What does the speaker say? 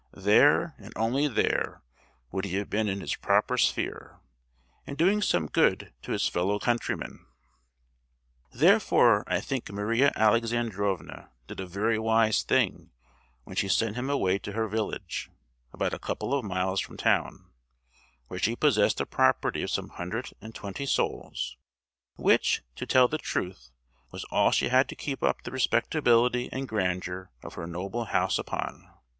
There, and only there, would he have been in his proper sphere, and doing some good to his fellow countrymen. Therefore, I think Maria Alexandrovna did a very wise thing when she sent him away to her village, about a couple of miles from town, where she possessed a property of some hundred and twenty souls—which, to tell the truth, was all she had to keep up the respectability and grandeur of her noble house upon!